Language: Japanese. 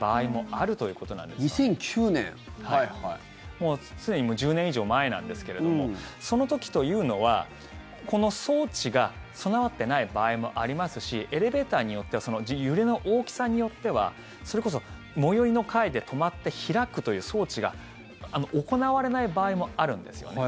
もうすでに１０年以上前なんですけれどもその時というのは、この装置が備わってない場合もありますしエレベーターによっては揺れの大きさによってはそれこそ最寄りの階で止まって開くという装置が行われない場合もあるんですね。